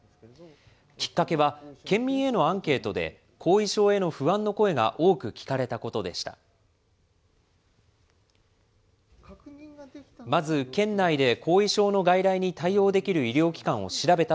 きっかけは、県民へのアンケートで、後遺症への不安の声が多く聞かれたことでした。